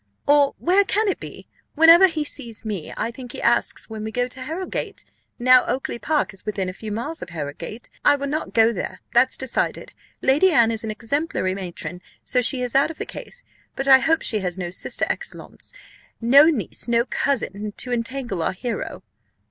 or where can it be? Whenever he sees me, I think he asks when we go to Harrowgate. Now Oakly park is within a few miles of Harrowgate. I will not go there, that's decided. Lady Anne is an exemplary matron, so she is out of the case; but I hope she has no sister excellence, no niece, no cousin, to entangle our hero."